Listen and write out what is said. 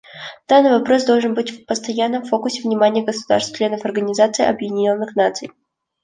Данный вопрос должен быть в постоянном фокусе внимания государств — членов Организации Объединенных Наций.